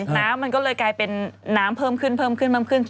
แล้วมันก็เลยกลายเป็นน้ำเพิ่มขึ้นมากขึ้น